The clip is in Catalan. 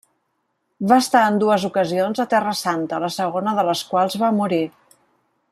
Va estar en dues ocasions a Terra Santa, la segona de les quals va morir.